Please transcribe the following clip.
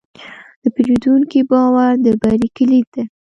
د پیرودونکي باور د بری کلید دی.